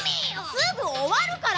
すぐおわるから！